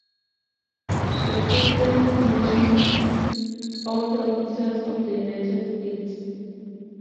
The President commissions all the Officers of the United States.